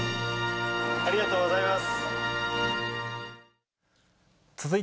ありがとうございます。